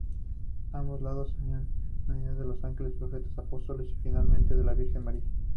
A ambos lados había medallones de ángeles, Profetas, Apóstoles, y finalmente la Virgen María.